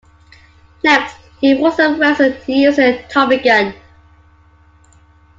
Next he forces Wilson to use a Tommy gun.